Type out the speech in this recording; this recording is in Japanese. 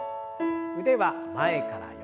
腕は前から横。